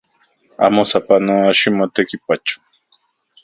Amo sapanoa ximotekipacho